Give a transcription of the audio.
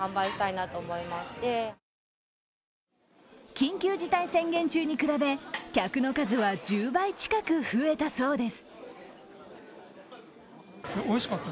緊急事態宣言中に比べ客の数は１０倍近く増えたそうです。